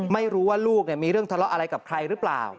ไม่รู้ว่าลูกมีเรื่องทะเลาะอะไรกับใครหรือเปล่า